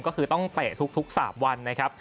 ก็คือต้องเตะทุก๓วันนะครับ